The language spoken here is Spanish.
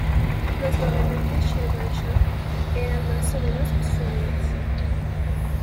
Los gobernantes Shirvanshah eran más o menos Suníes.